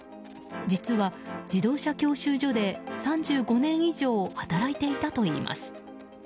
実は、自動車教習所で３５年以上働いていたといいます。